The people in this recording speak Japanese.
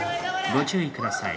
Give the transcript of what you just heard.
ご注意ください。